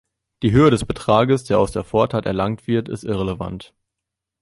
Die Höhe des Betrages, der aus der Vortat erlangt wird, ist irrelevant.